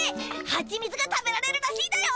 ハチミツが食べられるらしいだよ！